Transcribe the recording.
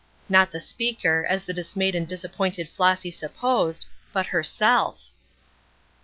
Not the speaker, as the dismayed and disappointed Flossy supposed, but herself.